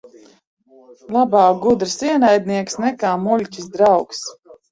Labāk gudrs ienaidnieks nekā muļķis draugs.